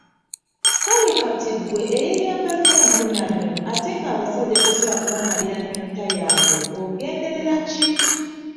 Kale kaakati ggwe eyeeyambaza enkunamyo, ate nga abasajja tosobola kubamalira nnyonta yaabwe ogenderera ki?